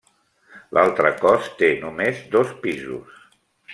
L'altre cos té només dos pisos.